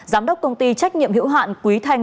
giám đốc công ty trách nhiệm hữu hạn quý thanh